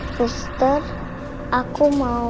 mister aku mau